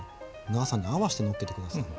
長さに合わしてのっけて下さい。